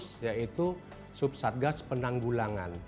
yang khusus yaitu subsatgas penanggulangan